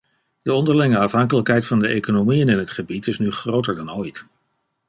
De onderlinge afhankelijkheid van de economieën in het gebied is nu groter dan ooit.